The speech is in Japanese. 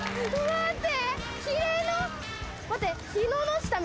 待って。